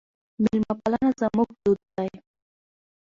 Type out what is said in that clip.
میلمه پالنه زموږ دود دی.